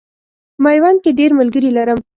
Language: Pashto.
میوند کې ډېر ملګري لرم.